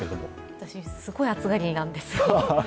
私、すごい暑がりなんですよ。